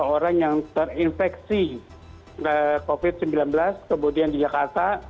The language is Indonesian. orang yang terinfeksi covid sembilan belas kemudian di jakarta